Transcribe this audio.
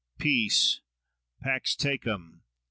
Peace! Pax tecum!